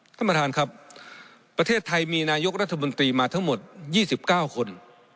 ท่านประธานครับประเทศไทยมีนายกรัฐมนตรีมาทั้งหมด๒๙คน